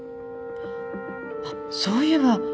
あっそういえば。